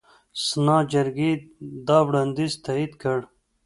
سنا جرګې دا وړاندیز تایید کړ.